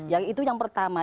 ya itu yang pertama